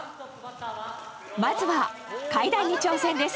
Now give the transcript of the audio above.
まずは階段に挑戦です。